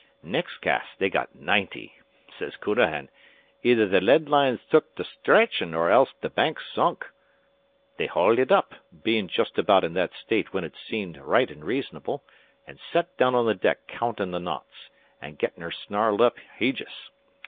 "Nex' cast they got ninety. Sez Counahan: 'Either the lead line's tuk to stretchin' or else the Bank's sunk.' "They hauled ut up, bein' just about in that state when ut seemed right an' reasonable, and sat down on the deck countin' the knots, an' gettin' her snarled up hijjus.